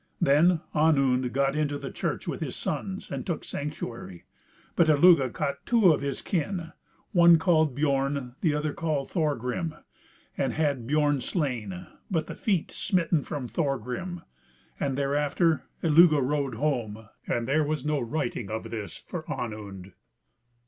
Then Onund got into the church with his sons, and took sanctuary; but Illugi caught two of his kin, one called Biorn and the other Thorgrim, and had Biorn slain, but the feet smitten from Thorgrim. And thereafter Illugi rode home, and there was no righting of this for Onund.